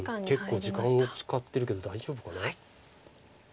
結構時間を使ってるけど大丈夫かな？